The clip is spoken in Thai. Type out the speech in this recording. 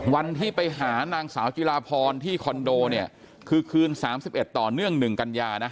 วันที่ไปหานางสาวจิลาพรที่คอนโดเนี่ยคือคืน๓๑ต่อเนื่อง๑กันยานะ